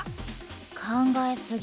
考えすぎ。